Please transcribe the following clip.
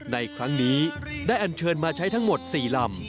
ในครั้งนี้ได้อันเชิญมาใช้ทั้งหมด๔ลำ